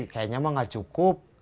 kayaknya mah nggak cukup